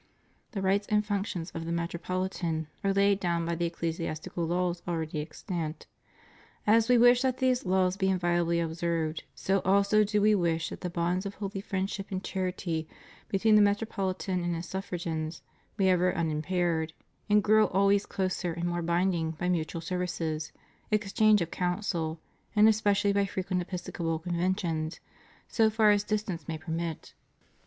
The rights and the functions of the Metropolitan are laid down by the ecclesiastical laws already extant. As We wish that these laws be inviolably observed, so also do We wish that the bonds of holy friendship and charity be tween the MetropoHtan and his suffragans be ever unim paired, and grow always closer and more binding by mu tual services, exchange of counsel, and especially by fre quent episcopal conventions, so far as distance may per mit.